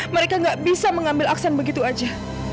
mereka nggak bisa mengambil aksan begitu aja